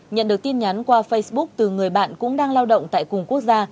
nhận được tin nhắn qua facebook từ người bạn cũng đang lao động tại cùng quốc gia